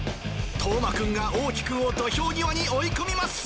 虎真君がおうき君を土俵際に追い込みます。